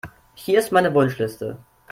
Hier ist meine Wunschliste.